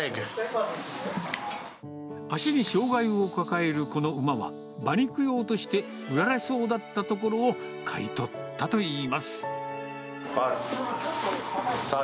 脚に障がいを抱えるこの馬は、馬肉用として売られそうだったところを買い取ったといいます。